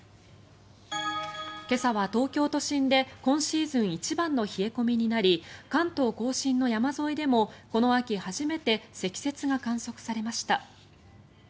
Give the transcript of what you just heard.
今朝は東京都心で今シーズン一番の冷え込みになり関東・甲信の山沿いでもこの秋初めて積雪が観測されました。